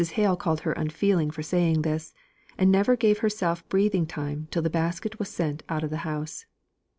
Hale called her unfeeling for saying this; and never gave herself breathing time till the basket was sent out of the house.